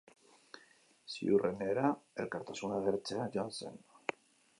Ziurrenera elkartasuna agertzera joan ziren.